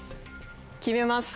決めます。